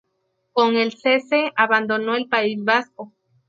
Con el cese, abandonó el País Vasco.